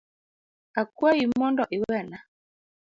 Akwayi mondo iwena.